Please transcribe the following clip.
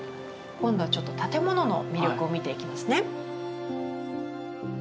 今度はちょっと建物の魅力を見ていきますね。